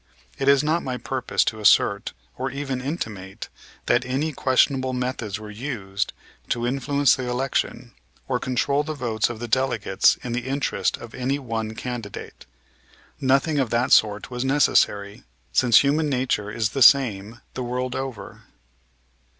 It is not my purpose to assert or even intimate that any questionable methods were used to influence the election, or control the votes of the delegates in the interest of any one candidate. Nothing of that sort was necessary, since human nature is the same the world over.